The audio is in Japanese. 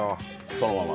そのまま？